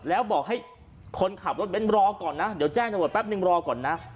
แล้วบอกให้คนขับรถเบ้นรอก่อนนะเดี๋ยวแจ้งตำรวจแป๊บนึงรอก่อนนะ